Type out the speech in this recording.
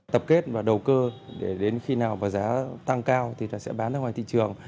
tập kết và đầu cơ để đến khi nào giá tăng cao thì sẽ bán ra ngoài thị trường